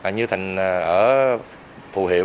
như thành ở phù hiệu